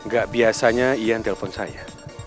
gak biasanya ian telpon saya